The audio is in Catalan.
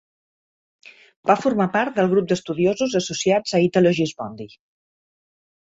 Va formar part del grup d'estudiosos associats a Italo Gismondi.